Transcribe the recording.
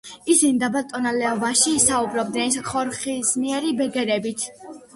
ისინი დაბალ ტონალობაში საუბრობენ ხორხისმიერი ბგერებით.